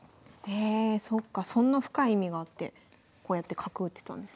えそっかそんな深い意味があってこうやって角打ってたんですね。